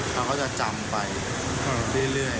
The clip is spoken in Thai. เขาก็จะจำไปเรื่อย